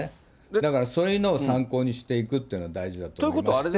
だからそういうのを参考にしていくというのは大事だと思いまして。